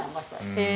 へえ。